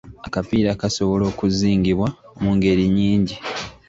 Akapiira kasobola okuzingibwa mu ngeri nnyingi.